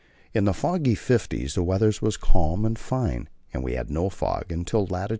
In the "Foggy Fifties" the weather was calm and fine, and we had no fog until lat.